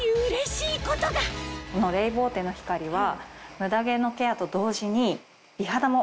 このレイボーテの光は。